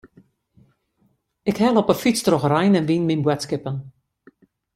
Ik helle op 'e fyts troch rein en wyn myn boadskippen.